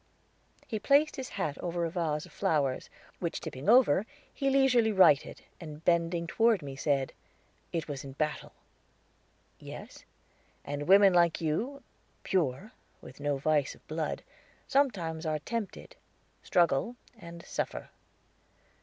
He placed his hat over a vase of flowers, which tipping over, he leisurely righted, and bending toward me, said: "It was in battle." "Yes." "And women like you, pure, with no vice of blood, sometimes are tempted, struggle, and suffer."